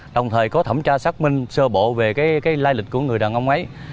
đồng thời có thẩm tra xác minh sơ bộ về cái lai lịch của người đàn ông ấy